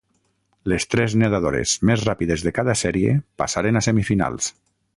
Les tres nedadores més ràpides de cada sèrie passaren a semifinals.